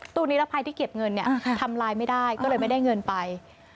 ตู้นิรภัยที่เก็บเงินทำลายไม่ได้ต้องเลยไม่ได้เงินไป